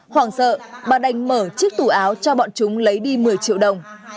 hoàng sợ bà đành mở chiếc tủ áo cho bọn chúng lấy đi một mươi triệu đồng